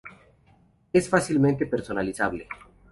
Es fácilmente personalizable.